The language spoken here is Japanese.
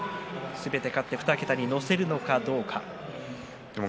すべて勝って２桁に乗せるのかどうかです。